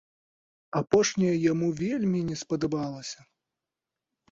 Апошняе яму вельмі не спадабалася.